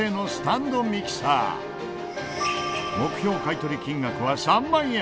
買い取り金額は３万円。